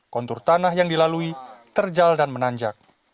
kontur tanah yang dilalui terjal dan menanjak